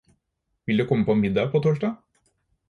Vil du komme på middag på torsdag?